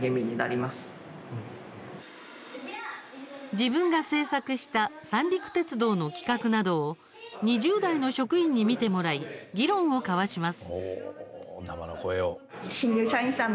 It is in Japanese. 自分が制作した三陸鉄道の企画などを２０代の職員に見てもらい議論を交わします。